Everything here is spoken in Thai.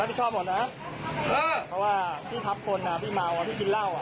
รับผิดชอบหมดนะครับเพราะว่าพี่ทับคนนะพี่เมาพี่กินเหล้า